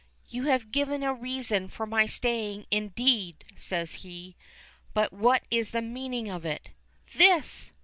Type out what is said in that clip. "You have given a reason for my staying, indeed," says he. "But what is the meaning of it?" "This!"